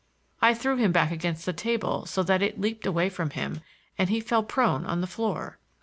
I threw him back against the table so that it leaped away from him, and he fell prone on the floor.